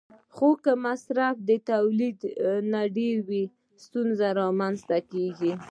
خو که مصرف د تولید نه ډېر وي، ستونزې رامنځته کېږي.